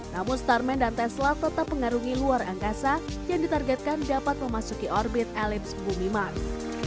namun starman dan tesla tetap mengarungi luar angkasa yang ditargetkan dapat memasuki orbit elips bumi mark